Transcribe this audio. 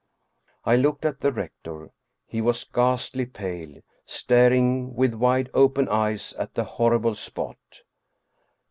I looked at the rector. He was ghastly pale, staring with wide open eyes at the horrible spot.